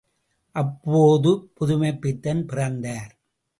அப்போது புதுமைப்பித்தன் பிறந்தார்.